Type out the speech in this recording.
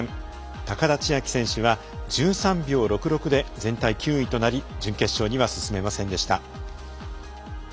高田千明選手が１３秒６６で全体９位となり準決勝には進めませんでした。